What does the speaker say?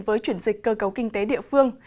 với chuyển dịch cơ cấu kinh tế địa phương